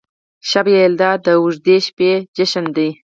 شب یلدا د اوږدې شپې جشن دی.